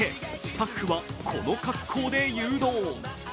スタッフはこの格好で誘導。